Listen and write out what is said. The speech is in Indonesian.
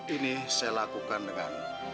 ini saya lakukan dengan